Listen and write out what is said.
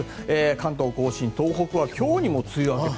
関東・甲信、東北は今日にも梅雨明けと。